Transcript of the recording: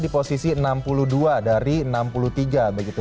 di posisi enam puluh dua dari enam puluh tiga begitu